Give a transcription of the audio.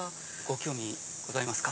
興味ございますか？